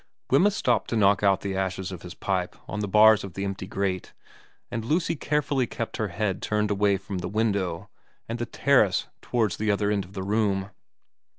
Wemyss stooped to knock out the ashes of his pipe on the bars of the empty grate, and Lucy carefully kept her head turned away from the window and the terrace towards the other end of the room.